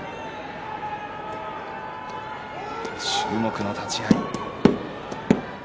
注目の立ち合い。